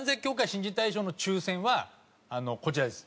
新人大賞の抽選はこちらです。